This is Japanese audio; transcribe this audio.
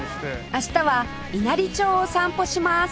明日は稲荷町を散歩します